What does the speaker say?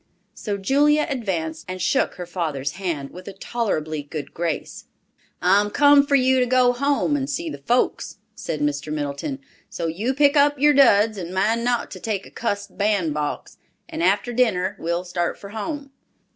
So Julia advanced and shook her father's hand with a tolerably good grace. "I'm come for you to go home and see the folks," said Mr. Middleton; "so you pick up your duds—and mind not to take a cussed bandbox—and after dinner we'll start for home."